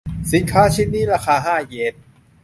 สินค้าชิ้นนี้ราคาห้าเยน